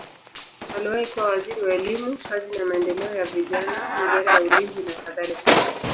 Aliwahi kuwa waziri wa elimu, kazi na maendeleo ya vijana, wizara ya ulinzi nakadhalika.